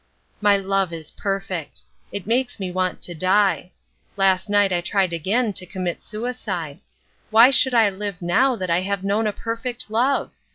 My love is perfect. It makes me want to die. Last night I tried again to commit suicide. Why should I live now that I have known a perfect love?